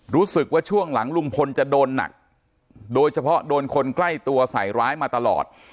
รู้สึกว่าช่วงหลังลุงพลจะโดนหนักโดยเฉพาะโดนคนใกล้ตัวใส่ร้ายมาตลอด